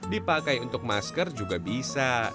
dipakai untuk masker juga bisa